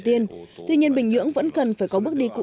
xin chào và hẹn gặp lại